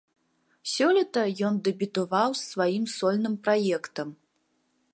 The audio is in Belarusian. Сёлета ён дэбютаваў з сваім сольным праектам.